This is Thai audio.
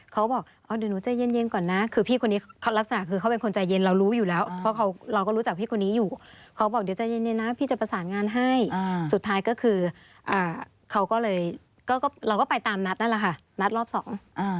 เขาบอกอ๋อเดี๋ยวหนูใจเย็นเย็นก่อนนะคือพี่คนนี้เขาลักษณะคือเขาเป็นคนใจเย็นเรารู้อยู่แล้วเพราะเขาเราก็รู้จักพี่คนนี้อยู่เขาบอกเดี๋ยวใจเย็นเย็นนะพี่จะประสานงานให้สุดท้ายก็คืออ่าเขาก็เลยก็เราก็ไปตามนัดนั่นแหละค่ะนัดรอบสองอ่า